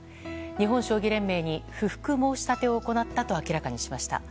日本将棋連盟に不服申し立てを行ったと明らかにしました。